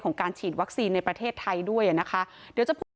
คนไทยทุกคนให้กำลังใจหมด